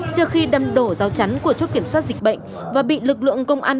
trước khi đâm đổ rào chắn của chốt kiểm soát dịch bệnh và bị lực lượng công an